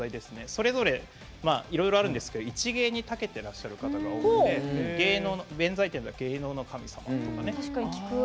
それぞれいろいろあるんですけど一芸にたけてらっしゃる方が多く弁財天は芸能の神様とか。